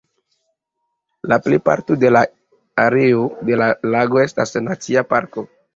La plejparto de la areo de la lago estas nacia parko.